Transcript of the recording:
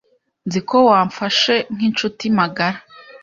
Nzi ko wamfashe nk'inshuti magara.